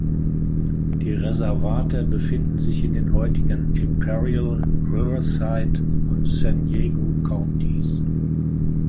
Die Reservate befinden sich in den heutigen Imperial, Riverside und San Diego Counties.